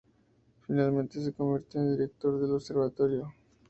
Finalmente se convirtió en director del observatorio.